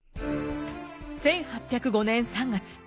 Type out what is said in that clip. １８０５年３月。